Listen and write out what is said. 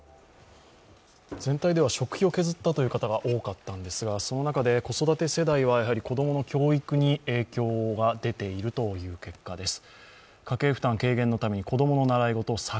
全体では食費を削ったという方が多かったんですが、その中で子育て世代は子供の教育に影響が出ているという結果です。